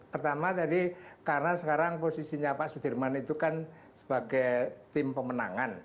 pertama tadi karena sekarang posisinya pak sudirman itu kan sebagai tim pemenangan